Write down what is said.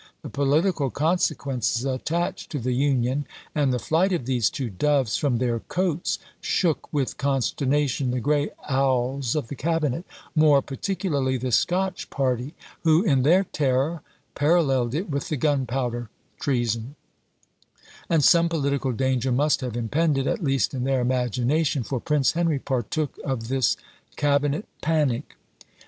The political consequences attached to the union and the flight of these two doves from their cotes, shook with consternation the grey owls of the cabinet, more particularly the Scotch party, who, in their terror, paralleled it with the gunpowder treason; and some political danger must have impended, at least in their imagination, for Prince Henry partook of this cabinet panic.